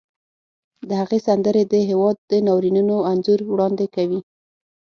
د هغې سندرې د هېواد د ناورینونو انځور وړاندې کوي